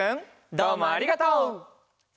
どうもありがとう！